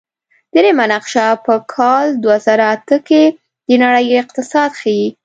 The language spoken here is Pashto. دریمه نقشه په کال دوه زره اته کې د نړۍ اقتصاد ښيي.